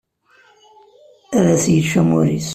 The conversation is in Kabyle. Ad as-yečč amur-is.